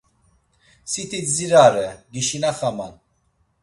Siti dzirare, gişinaxaman.